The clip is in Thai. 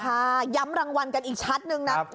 ย้ำรางวัลกันอีกชัดนึงนะ